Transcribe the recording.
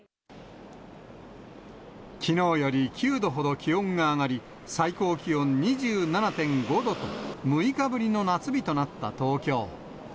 きのうより９度ほど気温が上がり、最高気温２７．５度と、６日ぶりの夏日となった東京。